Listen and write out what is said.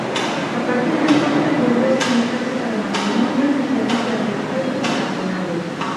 A partir de entonces volvió a utilizarse para matrimonios y servicios religiosos ocasionales.